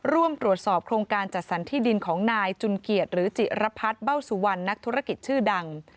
ร่วมตรวจสอบโครงการจัดสรรที่ดินของนายจุนเกียรติหรือจิรพัฒน์เบ้าสุวรรณนักธุรกิจชื่อดัง